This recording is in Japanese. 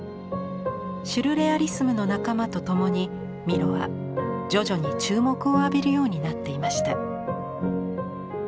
シュルレアリスムの仲間と共にミロは徐々に注目を浴びるようになっていました。